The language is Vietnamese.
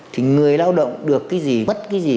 thì người lao động được cái gì bất cái gì